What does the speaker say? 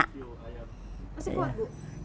masih kuat bu